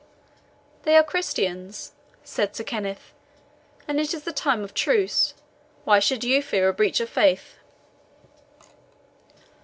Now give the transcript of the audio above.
"They are Christians," said Sir Kenneth, "and it is the time of truce why should you fear a breach of faith?"